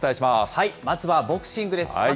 まずはボクシングです。